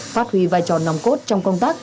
phát huy vai trò nòng cốt trong công tác